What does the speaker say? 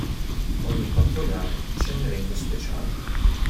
Ogni quattro gare c'è un evento speciale.